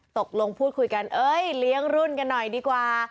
ตกลงพูดคุยกันเอ้ยเลี้ยงรุ่นกันหน่อยดีกว่า